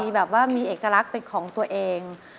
แบบว่ามีเอกลักษณ์เป็นของตัวเอง